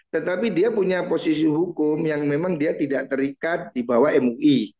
tetapi dia punya posisi hukum yang memang dia tidak terikat di bawah mui